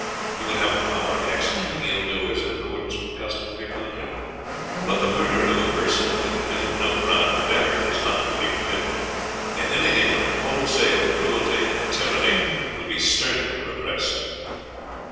You would have the power of executing ill doers in accordance with the custom of your country; but the murder of a person who had committed no crime whatever is not to be permitted, and anything like wholesale cruelty and tyranny would be sternly repressed."